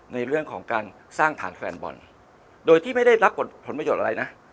ในเรื่องของการสร้างฐานแฟนบอลโดยที่ไม่ได้รับผลประโยชน์อะไรนะ